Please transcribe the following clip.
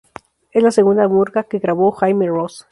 Es la segunda murga que grabó Jaime Ross.